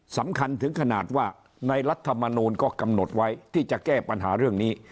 สำคัญถึงขนาดว่าในรัฐมนูลก็กำหนดไว้ที่จะแก้ปัญหาเรื่องนี้